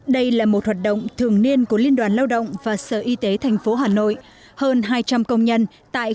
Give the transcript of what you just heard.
đây là một hoạt động thường niên của liên đoàn lao động và sở y tế thành phố hà nội hơn hai trăm linh công nhân tại